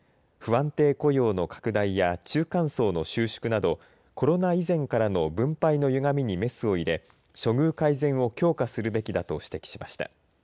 不安定雇用の拡大や中間層の収縮などコロナ以前からの分配のゆがみにメスを入れ処遇改善を強化するべきだと指摘しました。